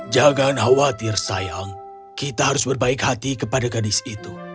jangan khawatir sayang kita harus berbaik hati kepada gadis itu